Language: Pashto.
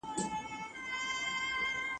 نفس غوښتنه کوي چې ټولې غوښتنې يې پوره شي.